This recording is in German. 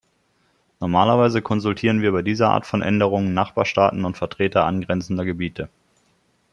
Normalerweise konsultieren wir bei dieser Art von Änderungen Nachbarstaaten und Vertreter angrenzender Gebiete.